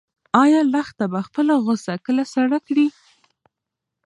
ایا لښته به خپله غوسه کله سړه کړي؟